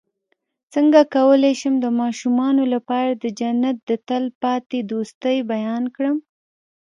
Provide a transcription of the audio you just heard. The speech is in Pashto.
څنګه کولی شم د ماشومانو لپاره د جنت د تل پاتې دوستۍ بیان کړم